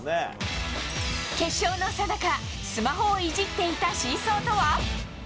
決勝のさなかスマホをいじっていた真相とは。